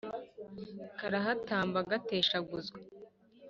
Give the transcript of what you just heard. Karahatamba gateshaguzwa,